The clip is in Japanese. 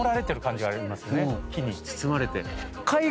木に包まれて。